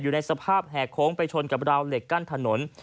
อยู่ในสภาพแหกโค้งไปชนกับราวเหล็กกั้นถนน